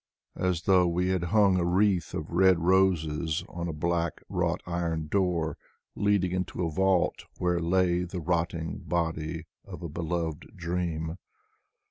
As though we had hung a wreath of red roses On a black, wrought iron door Leading into a vault Where lay the rotting body Of a beloved dream.